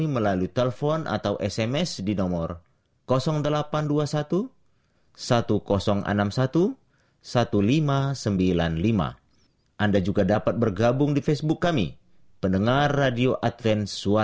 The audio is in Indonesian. ya allah ku berdani sukacita selamanya